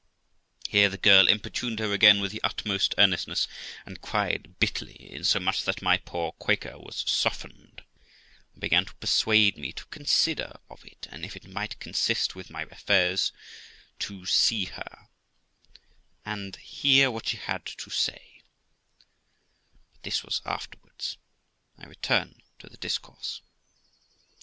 Here the girl importuned her again with the utmost earnestness, and cried bitterly, insomuch that my poor Quaker was softened with it, and began to persuade me to consider of it, and, if it might consist with my affairs, to see her, and hear what she had to say; but this was afterwards. I return to the discourse.